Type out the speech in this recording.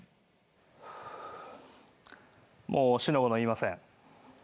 もう四の五の言いません。